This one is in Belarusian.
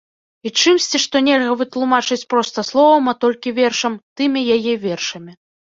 І чымсьці, што нельга вытлумачыць проста словам, а толькі вершам, тымі яе вершамі.